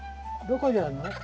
どこにあるの？